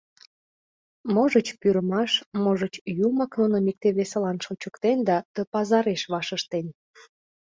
Можыч, пӱрымаш, можыч, Юмак нуным икте-весылан шочыктен да ты пазареш ваш ыштен?